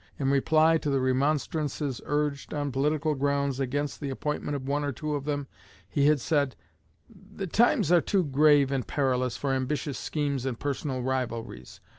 In reply to the remonstrances urged, on political grounds, against the appointment of one or two of them, he had said: "The times are too grave and perilous for ambitious schemes and personal rivalries.